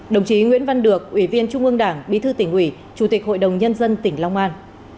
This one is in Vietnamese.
đồng chí nguyễn văn được ủy viên trung ương đảng bí thư tỉnh ủy chủ tịch hội đồng nhân dân tỉnh long an